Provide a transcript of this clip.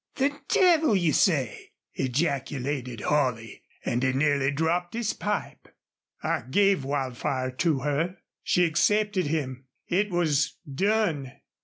"The devil you say!" ejaculated Holley, and he nearly dropped his pipe. "I gave Wildfire to her. She accepted him. It was DONE.